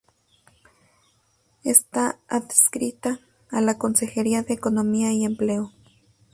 Está adscrita a la Consejería de Economía y Empleo.